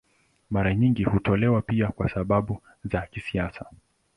Mara nyingi hutolewa pia kwa sababu za kisiasa.